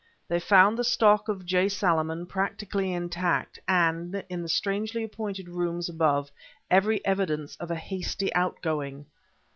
They found the stock of J. Salaman practically intact, and, in the strangely appointed rooms above, every evidence of a hasty outgoing.